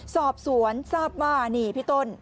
สอบสวนทราบว่านี่พี่ต้น